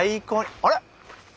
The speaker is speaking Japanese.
あれ？